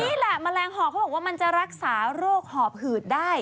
นี่แหละแมลงหอบเขาบอกว่ามันจะรักษาโรคหอบหืดได้